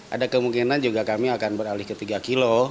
ada kemungkinan juga kami akan beralih ke tiga kilo